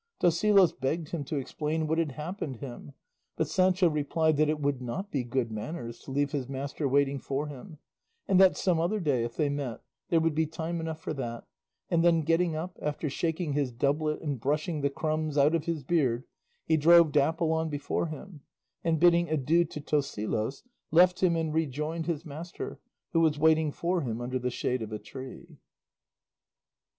Tosilos begged him to explain what had happened him, but Sancho replied that it would not be good manners to leave his master waiting for him; and that some other day if they met there would be time enough for that; and then getting up, after shaking his doublet and brushing the crumbs out of his beard, he drove Dapple on before him, and bidding adieu to Tosilos left him and rejoined his master, who was waiting for him under the shade of a tree.